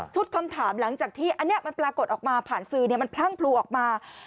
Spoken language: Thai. คำถามหลังจากที่อันนี้มันปรากฏออกมาผ่านสื่อมันพลั่งพลูออกมา